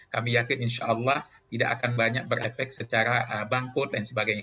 kami yakin insya allah tidak akan banyak berefek secara bangkrut dan sebagainya